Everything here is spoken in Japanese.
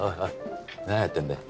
何やってんだよ。